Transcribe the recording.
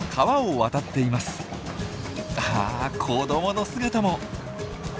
あっ子どもの姿も。